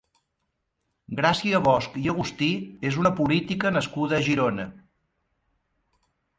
Gràcia Bosch i Agustí és una política nascuda a Girona.